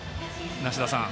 梨田さん。